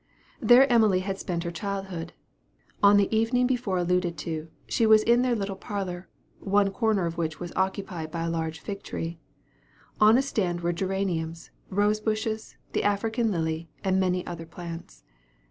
There Emily had spent her childhood. On the evening before alluded to, she was in their little parlor, one corner of which was occupied by a large fig tree. On a stand were geraniums, rose bushes, the African lily, and many other plants.